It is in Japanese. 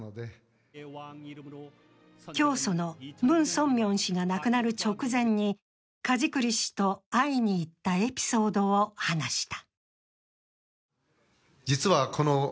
教祖のムン・ソンミョン氏が亡くなる直前に梶栗氏と会いに行ったエピソードを話した。